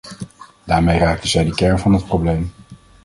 Daarmee raakte zij de kern van het probleem.